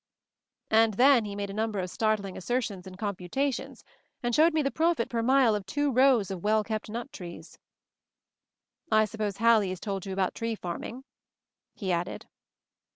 And then he made a number of startling assertions and computations, and showed me the profit per mile of two rows of well kept nut trees. "I suppose Hallie has told you about tree farming?" he added.